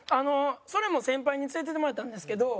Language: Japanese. それも先輩に連れていってもらったんですけど。